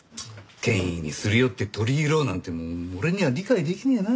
権威にすり寄って取り入ろうなんて俺には理解できねえな。